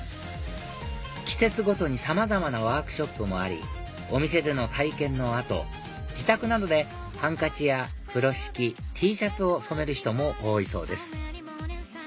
季節ごとにさまざまなワークショップもありお店での体験の後自宅などでハンカチや風呂敷Ｔシャツを染める人も多いそうです